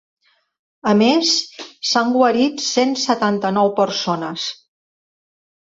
A més, s’han guarit cent setanta-nou persones.